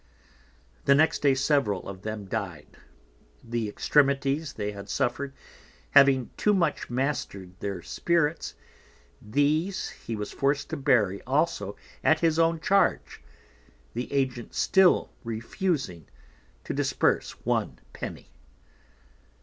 The next Day several of them died, the Extremities they had suffer'd, having too much Master'd their Spirits, these he was forc'd to bury also at his own Charge, the Agent still refusing to Disburse one Penny.